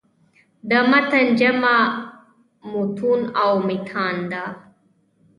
د متن جمع "مُتون" او "مِتان" ده.